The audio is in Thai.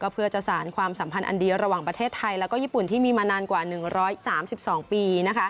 เพื่อจะสารความสัมพันธ์อันดีระหว่างประเทศไทยแล้วก็ญี่ปุ่นที่มีมานานกว่า๑๓๒ปี